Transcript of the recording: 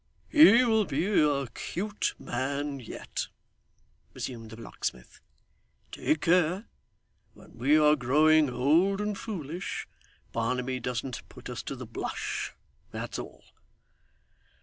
'He will be a 'cute man yet,' resumed the locksmith. 'Take care, when we are growing old and foolish, Barnaby doesn't put us to the blush, that's all.